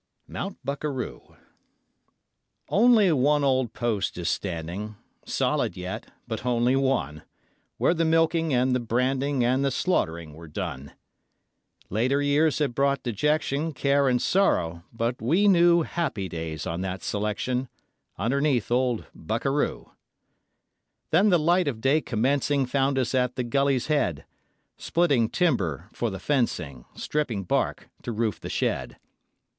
Mount Bukaroo Only one old post is standing Solid yet, but only one Where the milking, and the branding, And the slaughtering were done. Later years have brought dejection, Care, and sorrow; but we knew Happy days on that selection Underneath old Bukaroo. Then the light of day commencing Found us at the gully's head, Splitting timber for the fencing, Stripping bark to roof the shed.